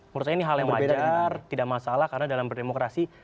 menurut saya ini hal yang wajar tidak masalah karena dalam berdemokrasi